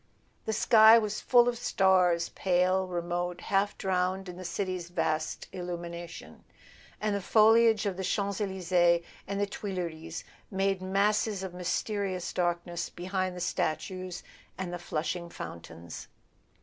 The sky was full of stars, pale, remote, half drowned in the city's vast illumination; and the foliage of the Champs Elysees and the Tuileries made masses of mysterious darkness behind the statues and the flashing fountains.